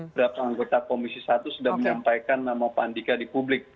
berapa anggota komisi satu sudah menyampaikan nama pak andika di publik